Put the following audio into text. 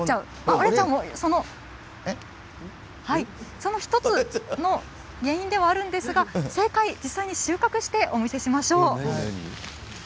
その１つの原因でもあるんですが正解は実際に収穫してお見せしましょう。